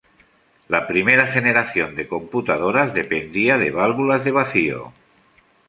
La primera generación de computadoras dependía de válvulas de vacío.